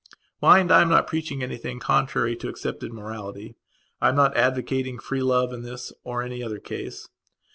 Mind, I am not preaching anything contrary to accepted morality. I am not advocating free love in this or any other case.